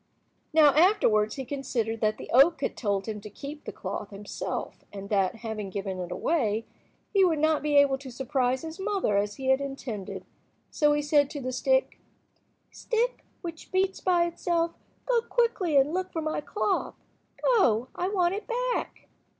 Now afterwards he considered that the oak had told him to keep the cloth himself, and that, having given it away, he would not be able to surprise his mother as he had intended. So he said to the stick— "Stick which beats by itself, go quickly and look for my cloth. Go, I want it back."